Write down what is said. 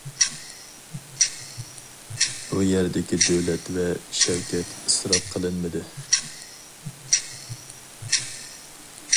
بۇ يەردىكى دۆلەت ۋە شەۋكەت ئىسراپ قىلىنمىدى.